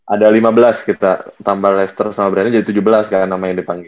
ada lima belas kita tambah leister sama brandon jadi tujuh belas kan nama yang dipanggil